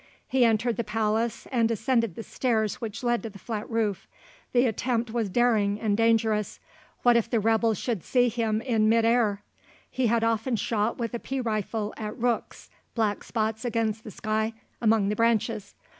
He entered the palace, and ascended the stairs which led to the flat roof. The attempt was daring and dangerous. What if the rebels should see him in mid air? He had often shot with a pea rifle at rooks, black spots against the sky and among the branches.